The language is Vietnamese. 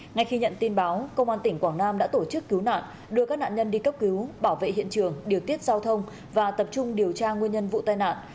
ngay khi nhận tin báo công an tỉnh quảng nam đã tổ chức cứu nạn đưa các nạn nhân đi cấp cứu bảo vệ hiện trường điều tiết giao thông và tập trung điều tra nguyên nhân vụ tai nạn